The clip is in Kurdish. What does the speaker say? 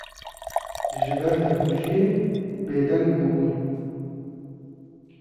ji ber tevkujiyê bêdeng bûbûn